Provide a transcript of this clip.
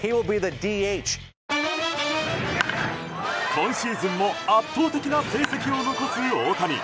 今シーズンも圧倒的な成績を残す大谷。